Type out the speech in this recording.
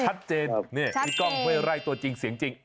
ชัดเจนนี่พี่กล้องเว้ยไร่ตัวจริงซีสีชินจริง